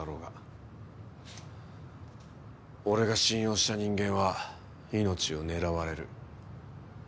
俺が信用した人間は命を狙われる。